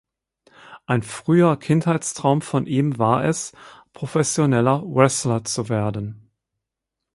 Ein früher Kindheitstraum von ihm war es professioneller Wrestler zu werden.